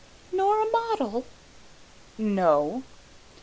"Nor a model?" "No."